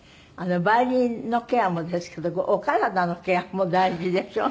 ヴァイオリンのケアもですけどお体のケアも大事でしょ？